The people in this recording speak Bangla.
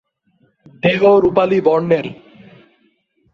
দেহ রূপালী বর্ণের।